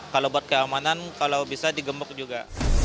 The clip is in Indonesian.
kalau buat keamanan kalau bisa di gembok juga